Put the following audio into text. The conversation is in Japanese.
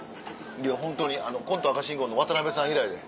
いやホントにコント赤信号の渡辺さん以来。